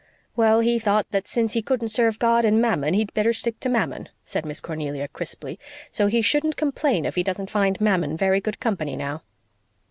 "Well, he thought that since he couldn't serve God and Mammon he'd better stick to Mammon," said Miss Cornelia crisply. "So he shouldn't complain if he doesn't find Mammon very good company now."